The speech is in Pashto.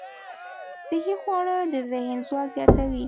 صحي خواړه د ذهن ځواک زیاتوي.